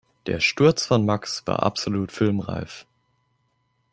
Der Sturz von Max war absolut filmreif.